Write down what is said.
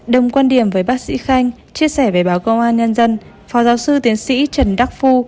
đồng quan điểm với bác sĩ khanh chia sẻ về báo công an nhân dân phó giáo sư tiến sĩ trần đắc phu